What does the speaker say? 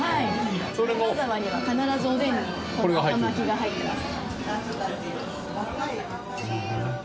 金沢には必ずおでんにこの赤巻が入ってます。